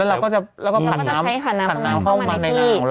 แล้วเราก็จะผ่านน้ำเข้ามาในน้ำแล้ว